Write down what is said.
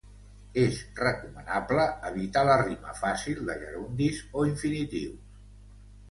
És recomanable evitar la rima fàcil de gerundis o infinitius.